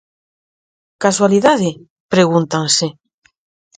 Casualidade?, pregúntanse.